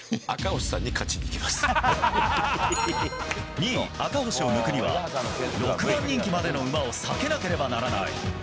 ２位、赤星を抜くには６番人気までの馬を避けなければならない。